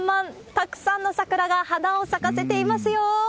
たくさんの桜が花を咲かせていますよ。